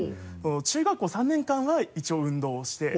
中学校３年間は一応運動して。